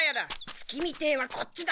月見亭はこっちだ。